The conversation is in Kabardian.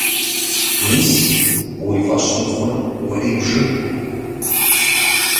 Мис, уи фӀэщ мыхъум, уэри бжы.